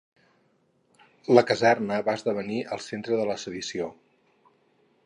La caserna va esdevenir el centre de la sedició.